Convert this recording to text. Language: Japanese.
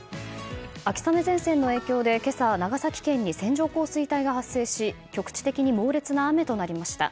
秋雨前線の影響で今朝、長崎県に線状降水帯が発生し局地的に猛烈な雨となりました。